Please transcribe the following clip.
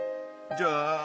じゃあ。